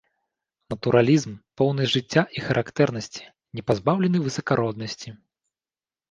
Натуралізм, поўны жыцця і характэрнасці, не пазбаўлены высакароднасці.